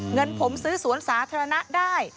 เงินผมซื้อสวนสาธารณะได้